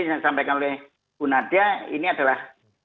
yang disampaikan oleh bu nadia ini adalah